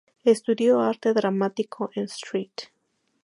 Estudió arte dramático en St.